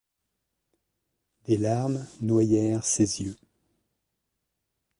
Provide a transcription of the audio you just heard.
Des larmes noyèrent ses yeux.